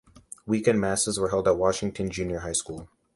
Weekend masses were held at Washington Junior High School.